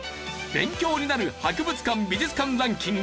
勉強になる博物館・美術館ランキング